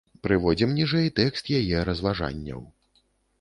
Прыводзім ніжэй тэкст яе разважанняў.